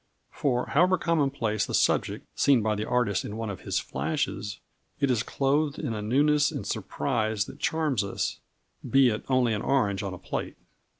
For however commonplace the subject seen by the artist in one of his "flashes," it is clothed in a newness and surprise that charm us, be it only an orange on a plate.